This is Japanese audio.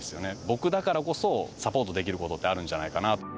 僕だからこそサポートできることってあるんじゃないかな。